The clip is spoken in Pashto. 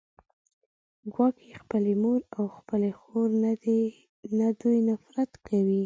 ګواکې خپلې مور او خپلې خور نه دوی نفرت کوي